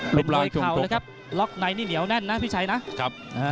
เป็นต้อยเข่าล็อคในนี่เหนียวแน่นพี่ชัยนะ